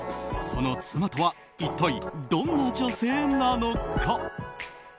その妻とは一体どんな女性なのか。